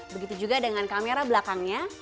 begitu juga dengan kamera belakangnya